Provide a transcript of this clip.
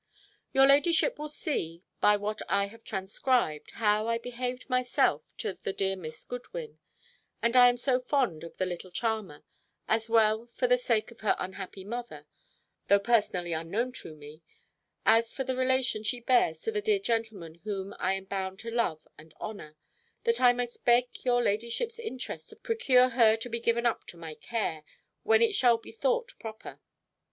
Your ladyship will see, by what I have transcribed, how I behaved myself to the dear Miss Goodwin; and I am so fond of the little charmer, as well for the sake of her unhappy mother, though personally unknown to me, as for the relation she bears to the dear gentleman whom I am bound to love and honour, that I must beg your ladyship's interest to procure her to be given up to my care, when it shall be thought proper.